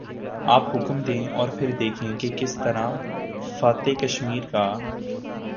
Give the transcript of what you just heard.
آپ حکم دیں اور پھر دیکھیں کہ کس طرح فاتح کشمیر کا